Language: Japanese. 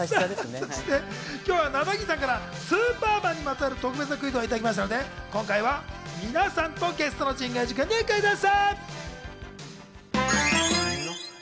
そして今日は、なだぎさんから『スーパーマン』にまつわる特別なクイズをいただきましたのでゲストの神宮寺君と皆さんにクイズッス。